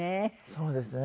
そうですね。